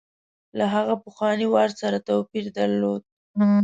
له هغه پخواني وار سره توپیر درلود.